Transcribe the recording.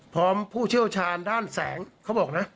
ผู้เชี่ยวชาญด้านแสงเขาบอกนะ